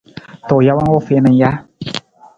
Tuu jawang u fiin ng ja.